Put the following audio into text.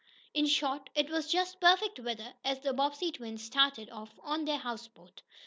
In short, it was just perfect weather, as the Bobbsey twins started off on their houseboat.